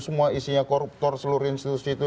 semua isinya koruptor seluruh institusi itu